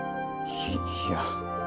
いいや。